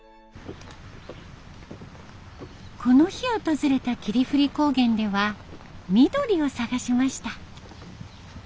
この日訪れた霧降高原では緑を探しました。